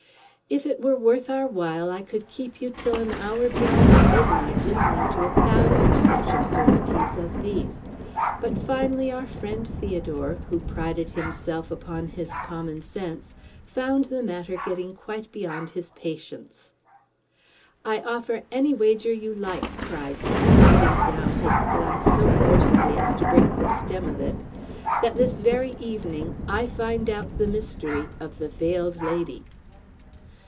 If it were worth our while, I could keep you till an hour beyond midnight listening to a thousand such absurdities as these. But finally our friend Theodore, who prided himself upon his common sense, found the matter getting quite beyond his patience. "I offer any wager you like," cried he, setting down his glass so forcibly as to break the stem of it, "that this very evening I find out the mystery of the Veiled Lady!"